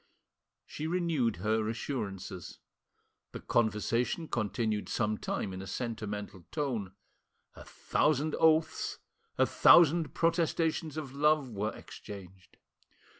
She renewed her assurances. The conversation continued some time in a sentimental tone. A thousand oaths, a thousand protestations of love were, exchanged.